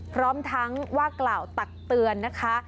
พร้อมทั้งว่ากล่าวตักเตือนนะคะ